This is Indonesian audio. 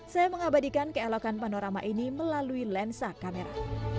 saya mengabadikan keelokan panorama ini melalui lensa kamera